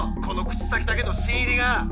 この口先だけの新入りが！